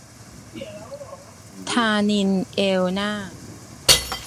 ธานินทร์ เอลน่า